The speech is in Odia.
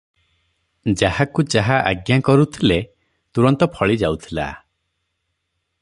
ଯାହାକୁ ଯାହା ଆଜ୍ଞା କରୁଥିଲେ, ତୁରନ୍ତ ଫଳି ଯାଉଥିଲା ।